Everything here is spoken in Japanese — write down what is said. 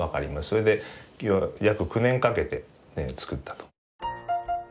それで約９年かけて作ったと。